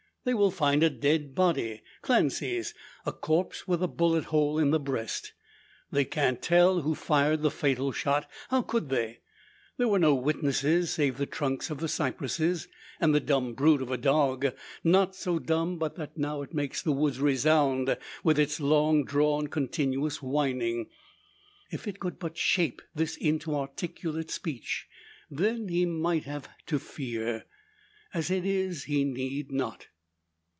They will find a dead body Clancy's a corpse with a bullet hole in the breast. They can't tell who fired the fatal shot how could they? There were no witnesses save the trunks of the cypresses, and the dumb brute of a dog not so dumb but that it now makes the woods resound with its long drawn continuous whining. If it could but shape this into articulate speech, then he might have to fear. As it is, he need not.